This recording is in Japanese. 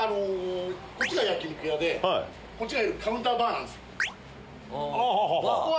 こっちが焼き肉屋でこっちがカウンターバーなんすよ。